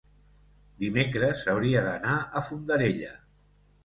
dimecres hauria d'anar a Fondarella.